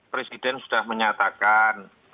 presiden sudah menyatakan